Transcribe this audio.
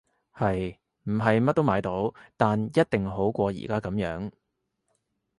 係！唔係乜都買到，但一定好過而家噉樣